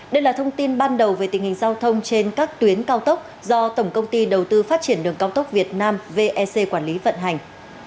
đây là thông tin ban đầu về tình hình giao thông trên các tuyến cao tốc do tổng công ty đầu tư phát triển đường cao tốc việt nam vec quản lý vận hành